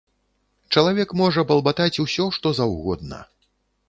Чалавек можа балбатаць усё што заўгодна.